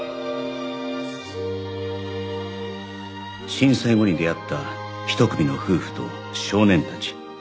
震災後に出会った一組の夫婦と少年たち